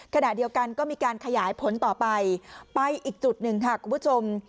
ขณะเดียวกันก็มีการขยายผลต่อไปไปอีกจุดหนึ่งค่ะคุณผู้ชม